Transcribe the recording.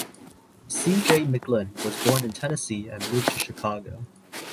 C. J. McLin was born in Tennessee and moved to Chicago.